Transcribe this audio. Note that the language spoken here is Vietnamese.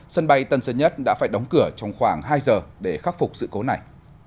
sân bay tân sơn nhất đã phải đóng cửa trong khoảng hai giờ để khắc phục sự cố này